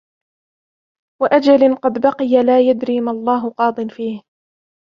وَأَجَلٍ قَدْ بَقِيَ لَا يَدْرِي مَا اللَّهُ قَاضٍ فِيهِ